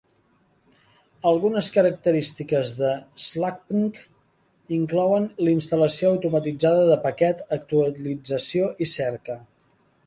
Algunes característiques de slackpkg inclouen instal·lació automatitzada de paquet, actualització i cerca.